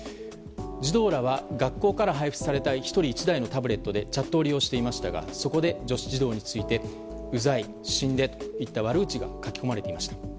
児童らは学校から配布された１人１台のタブレットでチャットを利用していましたがそこで女子児童についてうざい、死んでといった悪口が書き込まれていました。